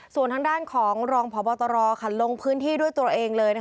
ส่วนทางด้านของรองพบตรลงพื้นที่ด้วยตัวเองเลย